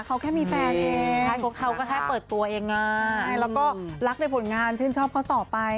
เขาแค่มีแฟนเองใช่พวกเขาก็แค่เปิดตัวเองไงแล้วก็รักในผลงานชื่นชอบเขาต่อไป